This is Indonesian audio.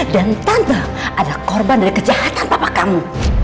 dan tante adalah korban dari kejahatan papa kamu